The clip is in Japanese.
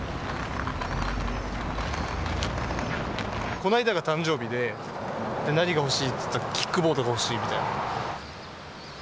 この間が誕生日で何が欲しいって言ったらキックボードが欲しいみたいな。